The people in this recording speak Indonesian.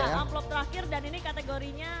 amplop terakhir dan ini kategorinya